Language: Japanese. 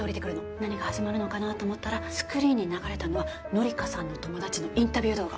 何が始まるのかなあと思ったらスクリーンに流れたのは乃理花さんの友達のインタビュー動画。